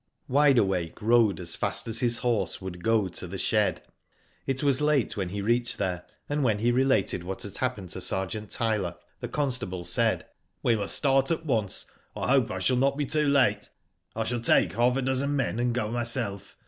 Wide Awake rode as fast as his horse would go to the shed. It was late when he reached there, and when he related what had happened to Ssrgeant Tyler, the constable said : M 2 Digitized by VjOOQIC i64 WHO DID ITf '*We must start at once. I hope I shall not be too late, ril take half a dozen men and go myself.